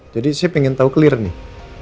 jadi saya pengen tau clear nih